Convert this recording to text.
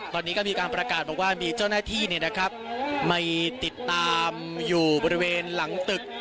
ตอนนี้ก็มีการประกาศบอกว่ามีเจ้าหน้าที่มาติดตามอยู่บริเวณหลังตึก